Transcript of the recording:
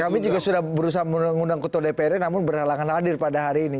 kami juga sudah berusaha mengundang ketua dprd namun berhalangan hadir pada hari ini